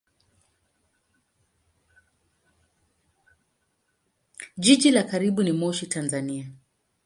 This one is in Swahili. Jiji la karibu ni Moshi, Tanzania.